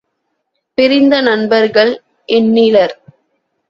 பிரிந்த நண்பர்கள் எண்ணிலர்!